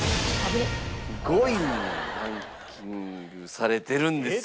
５位にランキングされてるんですよ。